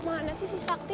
mana sih si sakti